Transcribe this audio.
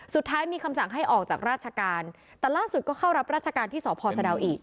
สุดท้ายมีคำสั่งให้ออกจากราชการแต่ล่าสุดก็เข้ารับราชการที่สพสะดาวอีก